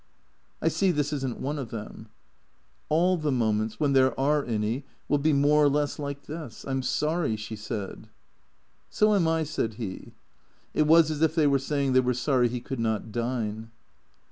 " I see this is n't one of them." " All the moments — when there are any — will be more or less like this. I 'm sorry," she said. " So am I," said he. It was as if they were saying they were sorry he could not dine.